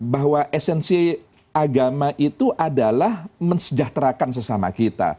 bahwa esensi agama itu adalah mensejahterakan sesama kita